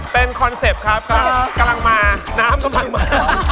เป็นคอนเซ็ปต์ครับกำลังมาน้ำกำลังมา